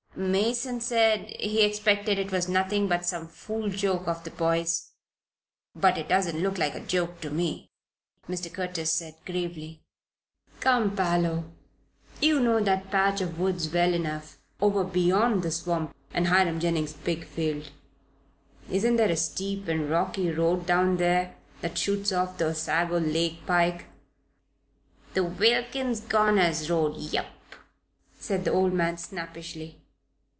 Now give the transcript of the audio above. "Mason said he expected it was nothing but some fool joke of the boys. But it doesn't look like a joke to me," Mr. Curtis said, gravely. "Come, Parloe, you know that patch of woods well enough, over beyond the swamp and Hiram Jennings' big field. Isn't there a steep and rocky road down there, that shoots off the Osago Lake pike?" "The Wilkins Corners road yep," said the old man, snappishly.